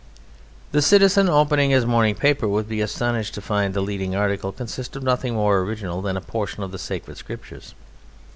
The citizen opening his morning paper would be astonished to find the leading article consist of nothing more original than a portion of the sacred Scriptures.